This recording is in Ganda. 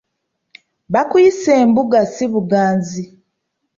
Bakuyise e ebuga si buganzi.